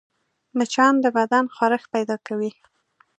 مچان د بدن خارښت پیدا کوي